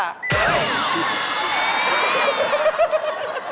จ่าเมก้า